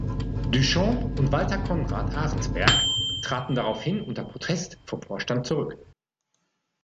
Duchamp und Walter Conrad Arensberg traten daraufhin unter Protest vom Vorstand zurück.